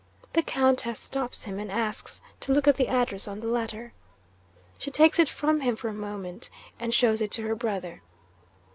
The Countess stops him, and asks to look at the address on the letter. She takes it from him for a moment, and shows it to her brother.